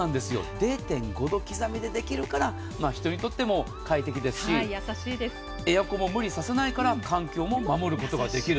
０．５度刻みでできるから人にとっても快適ですしエアコンも無理させないから環境も守ることができる。